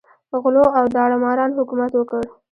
غلو او داړه مارانو حکومت وکړ.